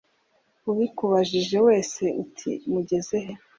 ubikubajije wese ati mugeze he